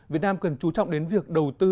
việt nam cần chú trọng đến việc đầu tư